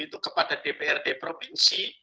itu kepada dprd provinsi